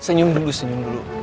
senyum dulu senyum dulu